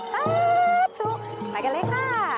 สาธุไปกันเลยค่ะ